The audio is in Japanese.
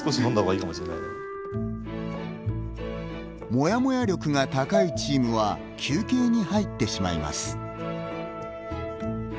モヤモヤ力が高いチームは休憩に入ってしまいます。